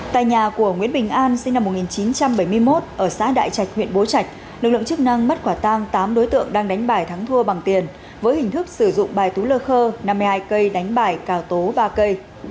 tại nhà của nguyễn bình an sinh năm một nghìn chín trăm bảy mươi một ở xã đại trạch huyện bố trạch lực lượng chức năng bắt quả tang tám đối tượng đang đánh bài thắng thua bằng tiền với hình thức sử dụng bài tú lơ khơ năm mươi hai cây đánh bài cào tố ba cây